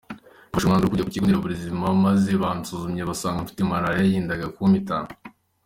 Nafashe umwanzuro wo kujya ku kigo Nderabuzima maze bansuzumye basanga mfite maraliya yendaga kumpitana.